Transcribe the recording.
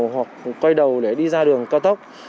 hoặc quay đầu để đi ra đường cao tốc